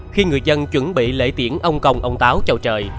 khi người dân chuẩn bị lễ tiễn ông công ông táo chào trời